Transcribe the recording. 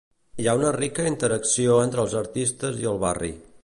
Hi ha una rica interacció entre els artistes i el barri.